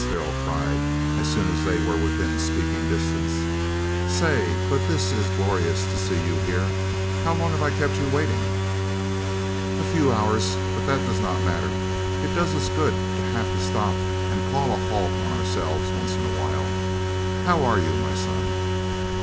Darrell cried, as soon as they were within speaking distance; "say, but this is glorious to see you here! How long have I kept you waiting?" "A few hours, but that does not matter; it does us good to have to stop and call a halt on ourselves once in a while. How are you, my son?"